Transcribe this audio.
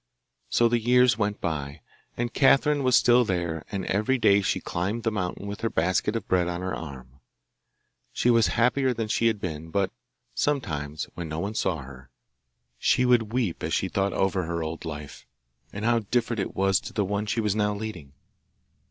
So the years went by, and Catherine was still there, and every day she climbed the mountain with her basket of bread on her arm. She was happier than she had been, but sometimes, when no one saw her, she would weep as she thought over her old life, and how different it was to the one she was now leading.